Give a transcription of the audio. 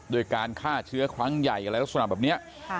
โดยการฆ่าเชื้อครั้งใหญ่อะไรลักษณะแบบนี้